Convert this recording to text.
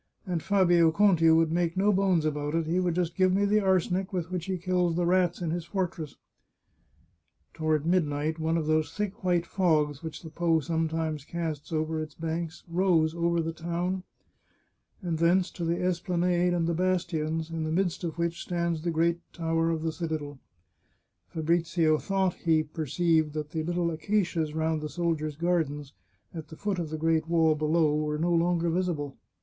And Fabio Conti would make no bones about it ; he would just give me the arsenic with which he kills the rats in his fortress," Toward midnight one of those thick white fogs which the Po sometimes casts over its banks rose over the town, and thence to the esplanade and the bastions, in the midst of which stands the great tower of the citadel. Fabrizio thought he perceived that the little acacias round the sol diers' gardens, at the foot of the great wall below, were no longer visible.